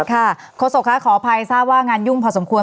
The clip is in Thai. โฆษกคะขออภัยทราบว่างานยุ่งพอสมควร